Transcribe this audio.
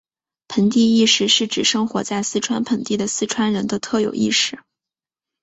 盆地意识是指生活在四川盆地的四川人的特有意识。